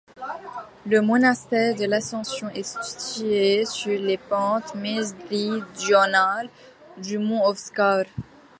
Le monastère de l'Ascension est situé sur les pentes méridionales du mont Ovčar.